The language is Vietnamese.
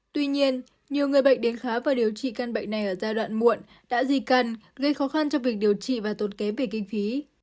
tuy nhiên nhiều người bệnh đến khá và điều trị căn bệnh này ở giai đoạn muộn đã dì cằn gây khó khăn trong việc điều trị và tốt kém về kinh phí